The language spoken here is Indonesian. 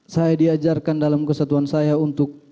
saya diajarkan dalam kesatuan saya untuk